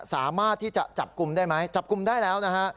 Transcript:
สามารถที่จะจับกลุ่มได้ไหมจับกลุ่มได้แล้วนะฮะ